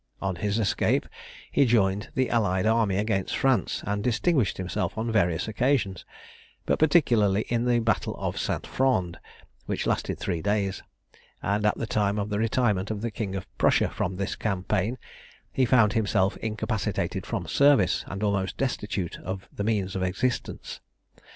On his escape he joined the allied army against France, and distinguished himself on various occasions, but particularly in the battle of St. Fronde, which lasted three days; and at the time of the retirement of the King of Prussia from this campaign, he found himself incapacitated from service, and almost destitute of the means of existence.